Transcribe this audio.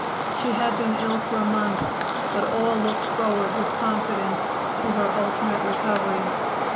She had been ill for a month, but all looked forward with confidence to her ultimate recovery.